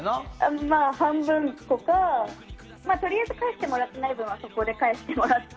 半分こか、とりあえず返してもらってない分はここで返してもらって。